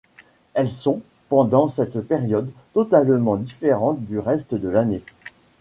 Elles sont, pendant cette période, totalement différentes du reste de l'année.